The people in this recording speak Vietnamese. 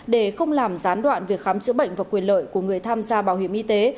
để không làm gián đoạn việc khám chữa bệnh và quyền lợi của người tham gia bảo hiểm y tế